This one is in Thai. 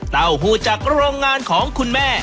เต้าหู้จากโรงงานของคุณแม่